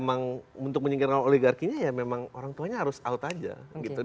emang untuk menyingkirkan oligarkinya ya memang orang tuanya harus out aja gitu